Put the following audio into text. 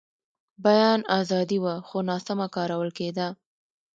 بیان ازادي وه، خو ناسمه کارول کېده.